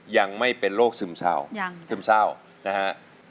ยังไม่เป็นโรคซึมเศร้ายังซึมเศร้านะฮะ